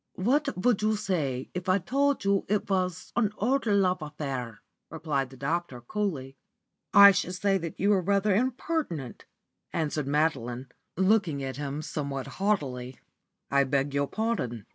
"What would you say if I told you it was an old love affair?" replied the doctor, coolly. "I should say that you were rather impertinent," answered Madeline, looking at him somewhat haughtily. "I beg your pardon.